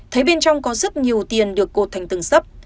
thấy bên trong có rất nhiều tiền được cột thành từng sấp